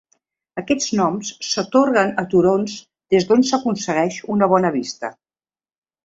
Aquests noms s'atorguen a turons des d'on s’aconsegueix una bona vista.